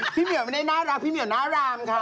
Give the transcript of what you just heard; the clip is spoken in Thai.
พี่เหมือนไม่ได้น่ารักพี่เหมือนน้ารามค่ะ